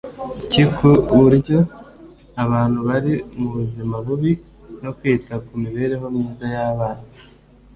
ki ku buryo abantu bari mu buzima bubi no kwita ku mibereho myiza y’abana